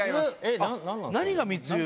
何が密輸？